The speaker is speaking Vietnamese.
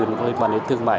nó liên quan đến thương mại